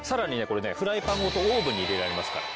これねフライパンごとオーブンに入れられますから。